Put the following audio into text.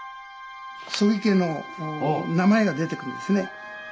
すごい！曽木家の名前が出てくるんですね。